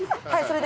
はい！